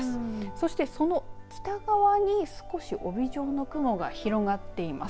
そして、その北側に少し帯状の雲が広がっています。